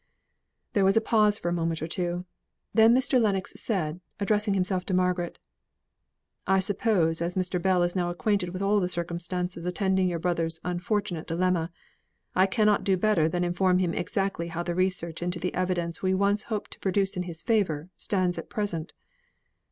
There was a pause for a moment or two. Then Mr. Lennox said, addressing himself to Margaret, "I suppose as Mr. Bell is now acquainted with all the circumstances attending your brother's unfortunate dilemma, I cannot do better than inform him exactly how the research into the evidence we once hoped to produce in his favour stands at present.